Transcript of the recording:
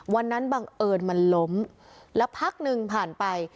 บังเอิญมันล้มแล้วพักหนึ่งผ่านไป